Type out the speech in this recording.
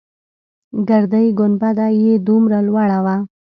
ګردۍ گنبده يې دومره لوړه وه.